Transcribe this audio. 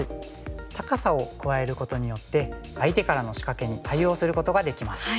高さを加えることによって相手からの仕掛けに対応することができます。